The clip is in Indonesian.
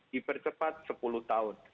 dipercepat sepuluh tahun